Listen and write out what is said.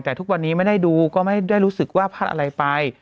แต่ทุกวันนี้ไม่ได้ดูก็ไม่ได้รู้สึกว่าพลาดอะไรไป